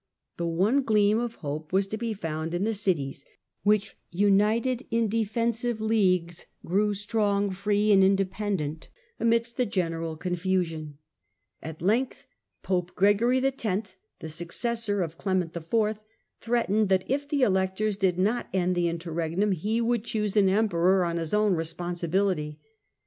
The one gleam of hope was to be found in the cities, which, united in de fensive leagues, grew strong, free and independent amidst I THE FALL OF THE HOHENSTAUFEN 249 e general confusion. At length Pope Gregory X., the successor of Clement IV., threatened that if the Electors did not end the Interregnum he would choose an Emperor on his own responsibility.